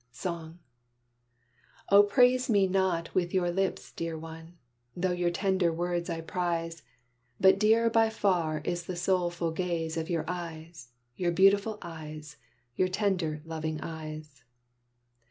SONG. O praise me not with your lips, dear one! Though your tender words I prize. But dearer by far is the soulful gaze Of your eyes, your beautiful eyes, Your tender, loving eyes.